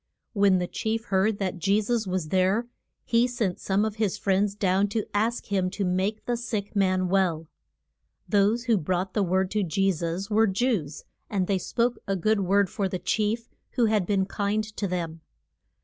When the chief heard that Je sus was there he sent some of his friends down to ask him to make the sick man well. Those who brought the word to Je sus were Jews, and they spoke a good word for the chief, who had been kind to them.